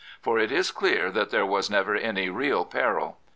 For it is clear that there was never any real peril.